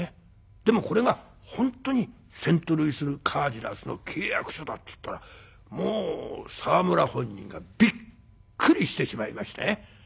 でもこれが本当にセントルイス・カージナルスの契約書だって言ったらもう沢村本人がびっくりしてしまいましてね。